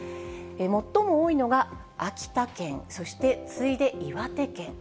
最も多いのが秋田県、そして次いで岩手県。